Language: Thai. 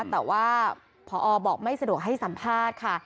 แต่ว่าพอบอกไม่สะดวกให้สัมภาษณ์ค่ะ